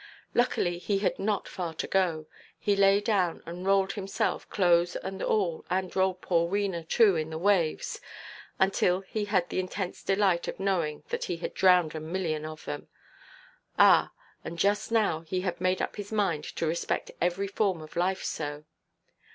Luckily he had not far to go; he lay down and rolled himself, clothes and all, and rolled poor Wena too in the waves, until he had the intense delight of knowing that he had drowned a million of them. Ah! and just now he had made up his mind to respect every form of life so.